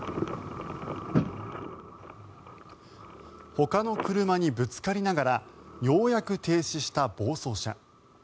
ほかの車にぶつかりながらようやく停止した暴走車。